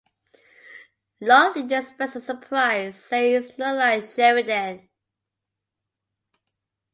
Lochley expresses surprise, saying it's not like Sheridan.